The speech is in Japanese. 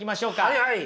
はいはい。